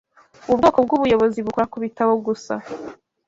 Ubu bwoko bw'ubuyobozi bukora kubitabo gusa